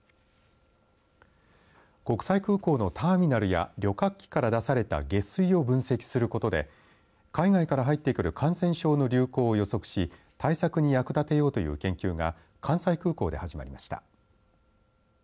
国際空港のターミナルや旅客機から出された下水を分析することで海外から入ってくる感染症の流行を予測し対策に役立てようという研究が関西空港で始まりました。